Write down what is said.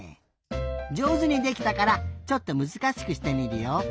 じょうずにできたからちょっとむずかしくしてみるよ。